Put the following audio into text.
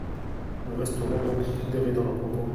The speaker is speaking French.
Nous resterons donc pondérés dans nos propos.